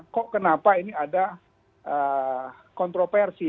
kok kenapa ini ada kontroversi